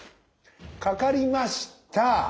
かかりました。